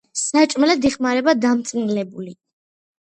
საჭმელად იხმარება დამწნილებული.